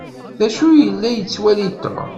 D acu yella yettwali Tom?